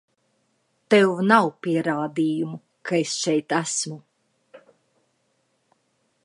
Tev nav pierādījumu, ka es šeit esmu!